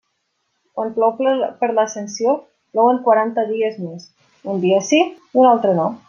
Quan plou per l'Ascensió, plouen quaranta dies més; un dia sí i un altre no.